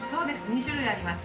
２種類あります